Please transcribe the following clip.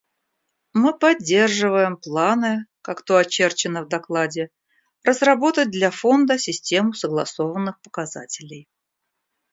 Мы поддерживаем планы, как то очерчено в докладе, разработать для Фонда систему согласованных показателей.